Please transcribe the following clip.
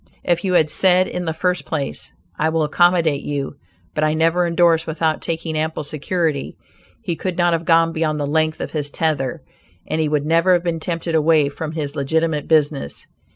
If you had said in the first place, "I will accommodate you, but I never indorse without taking ample security," he could not have gone beyond the length of his tether, and he would never have been tempted away from his legitimate business.